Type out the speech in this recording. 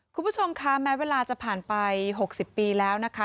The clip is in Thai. คุณผู้ชมคะแม้เวลาจะผ่านไป๖๐ปีแล้วนะคะ